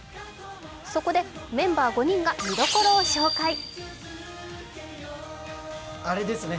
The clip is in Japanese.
そこでメンバー５人が見どころを紹介。